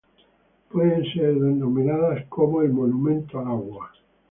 Puede ser denominada como "El Monumento al Agua".